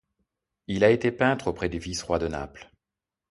Il a été peintre auprès du vice-roi de Naples.